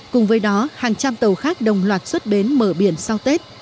cùng với đó hàng trăm tàu khác đồng loạt xuất bến mở biển sau tết